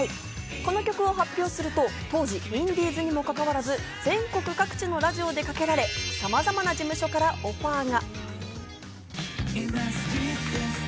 この曲を発表すると、当時インディーズにもかかわらず、全国各地のラジオでかけられ、さまざまな事務所からオファーが。